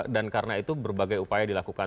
dan karena itu berbagai upaya dilakukan